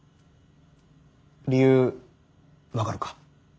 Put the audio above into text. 理由分かるか？